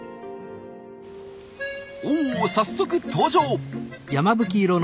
お早速登場！